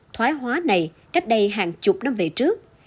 thoái hóa này cách đây hàng chục năm về trước